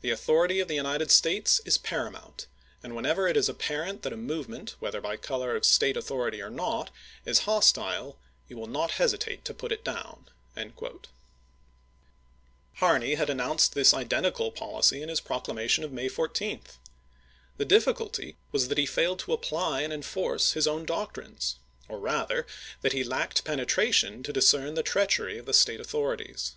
The authority of the United States is paramount, and whenever it is ap parent that a movement, whether by color of State ^"^jj^'^j authority or not, is hostile, you will not hesitate to put iii., p. 376.' it down. Thomas to Harney, Harney had announced this identical policy in his proclamation of May 14. The difficulty was that he failed to apply and enforce his own doc trines, or rather that he lacked penetration to dis cern the treachery of the State authorities.